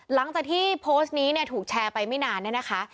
หลังจากที่โพสต์นี้เนี่ยถูกแชร์ไปไม่นานเนี่ยนะคะ